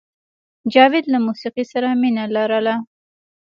جاوید له موسیقۍ سره مینه لرله